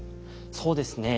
そうですね。